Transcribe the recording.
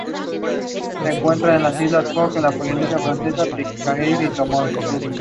Comienza así una nueva etapa.